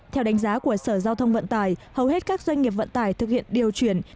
theo đánh giá của sở giao thông vận tải hầu hết các doanh nghiệp vận tải thực hiện điều chuyển